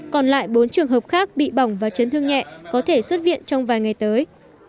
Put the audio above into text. còn lại bốn trường hợp khác bị bỏng và chấn thương nhẹ có thể xuất viện trong vài ngày tới